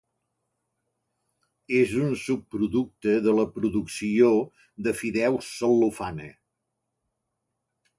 És un subproducte de la producció de fideus cel·lofana.